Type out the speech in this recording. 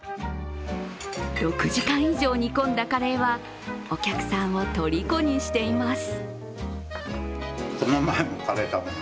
６時間以上煮込んだカレーはお客さんをとりこにしています。